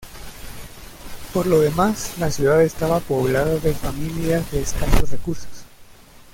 Por lo demás, la ciudad estaba poblada de familias de escasos recursos.